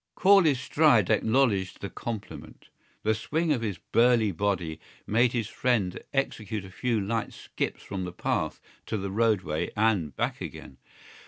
Corley's stride acknowledged the compliment. The swing of his burly body made his friend execute a few light skips from the path to the roadway and back again.